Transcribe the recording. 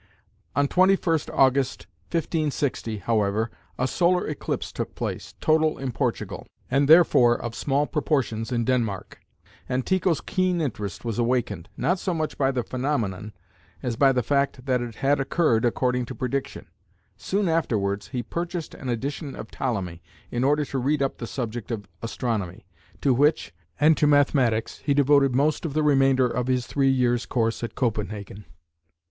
On 21st August, 1560, however, a solar eclipse took place, total in Portugal, and therefore of small proportions in Denmark, and Tycho's keen interest was awakened, not so much by the phenomenon, as by the fact that it had occurred according to prediction. Soon afterwards he purchased an edition of Ptolemy in order to read up the subject of astronomy, to which, and to mathematics, he devoted most of the remainder of his three years' course at Copenhagen.